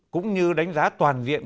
cũng như đánh giá toàn diện